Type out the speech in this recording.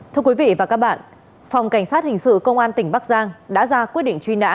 thưa quý vị và các bạn phòng cảnh sát hình sự công an tỉnh bắc giang đã ra quyết định truy nã